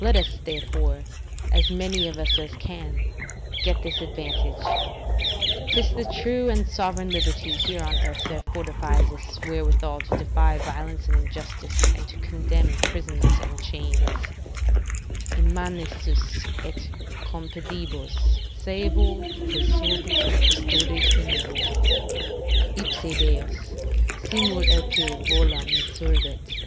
Let us, therefore, as many of us as can, get this advantage; 'tis the true and sovereign liberty here on earth, that fortifies us wherewithal to defy violence and injustice, and to contemn prisons and chains: "In manicis et Compedibus saevo te sub custode tenebo. Ipse Deus, simul atque volam, me solvet.